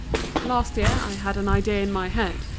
Last year I had an idea in my head.